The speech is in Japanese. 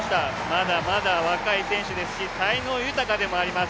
まだまだ若い選手ですし才能豊かでもあります。